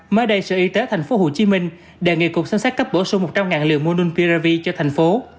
mới đây sở y tế tp hcm đề nghị cục sân sát cấp bổ số một trăm linh liều monunpiravi cho thành phố